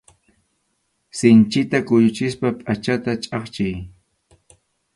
Sinchita kuyuchispa pʼachata chhapchiy.